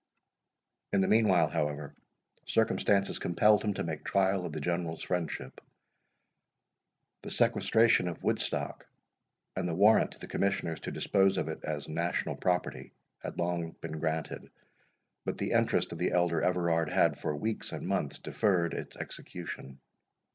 In the meanwhile, however, circumstances compelled him to make trial of the General's friendship. The sequestration of Woodstock, and the warrant to the Commissioners to dispose of it as national property, had been long granted, but the interest of the elder Everard had for weeks and months deferred its execution.